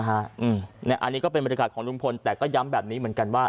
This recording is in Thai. อันนี้ก็เป็นบรรยากาศของลุงพลแต่ก็ย้ำแบบนี้เหมือนกันว่า